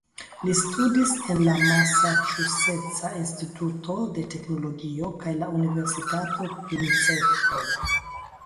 Li studis en la Masaĉuseca Instituto de Teknologio kaj la Universitato Princeton.